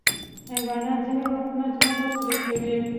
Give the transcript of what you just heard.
حیوانات ځینې وختونه ځمکه کې سوری کوي.